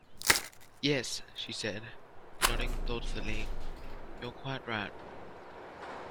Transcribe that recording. "Yes," she said, nodding thoughtfully, "you're quite right."